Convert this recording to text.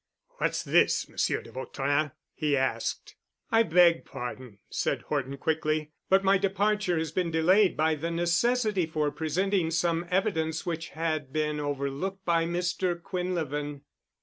"What's this, Monsieur de Vautrin?" Le asked. "I beg pardon," said Horton quickly, "but my departure has been delayed by the necessity for presenting some evidence which had been overlooked by Mr. Quinlevin."